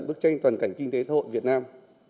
bức tranh toàn cảnh kinh tế xã hội việt nam